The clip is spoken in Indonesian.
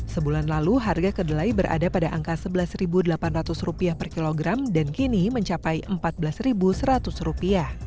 sebulan lalu harga kedelai berada pada angka rp sebelas delapan ratus per kilogram dan kini mencapai rp empat belas seratus